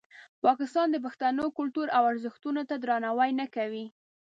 پاکستان د پښتنو کلتور او ارزښتونو ته درناوی نه کوي.